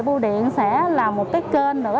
vô điện sẽ là một cái kênh nữa